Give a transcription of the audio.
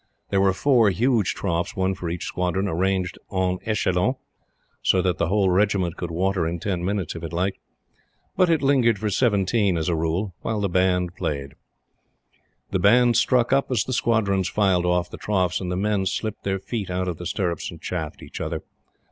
There were four huge troughs, one for each squadron, arranged en echelon, so that the whole Regiment could water in ten minutes if it liked. But it lingered for seventeen, as a rule, while the Band played. The band struck up as the squadrons filed off the troughs and the men slipped their feet out of the stirrups and chaffed each other.